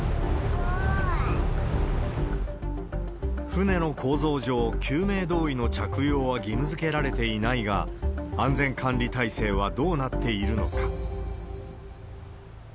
船の構造上、救命胴衣の着用は義務づけられていないが、安全管理体制はどうなっているのか。